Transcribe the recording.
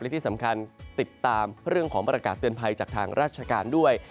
และที่สำคัญติดตามเรื่องของประกาศเตือนภัยจากทางราชการด้วย